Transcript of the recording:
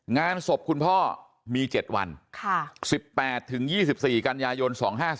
งานศพคุณพ่อมี๗วัน๑๘๒๔กันยายน๒๕๔